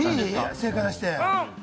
正解して。